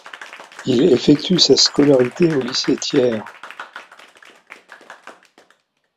Il effectue sa scolarité au lycée Thiers.